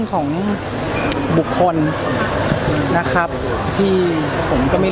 หนึ่งคือผมว่าเราก็ไม่คอมมิวนิเคทกัน